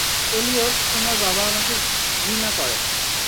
Elliot, তোমার বাবা আমাকে ঘৃনা করে।